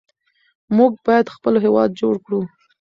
موږ باید خپل هېواد جوړ کړو.